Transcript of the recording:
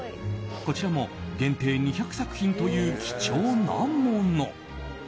こちらも限定２００作品という貴重なもの。